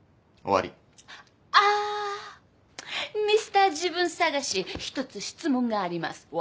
ミスター自分探し一つ質問があります。